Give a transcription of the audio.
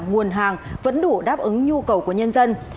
nguồn hàng vẫn đủ đáp ứng nhu cầu của nhân dân